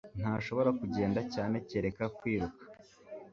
Ntashobora kugenda cyane kereka kwiruka